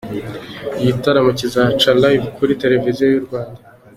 Igitaramo kizaca Live kuri televiziyo y’u Rwanda.